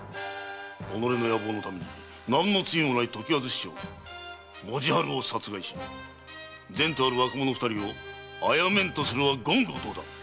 己の野望のために何の罪もない常磐津師匠・文字春を殺害し前途ある若者二人を殺めんとするは言語道断！